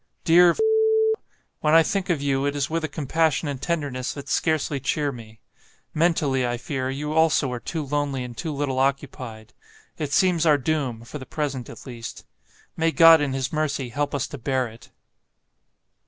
"Dear , when I think of you, it is with a compassion and tenderness that scarcely cheer me. Mentally, I fear, you also are too lonely and too little occupied. It seems our doom, for the present at least. May God in His mercy help us to bear it!"